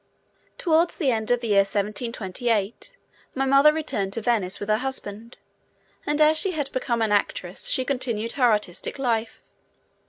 Towards the end of the year 1728 my mother returned to Venice with her husband, and as she had become an actress she continued her artistic life.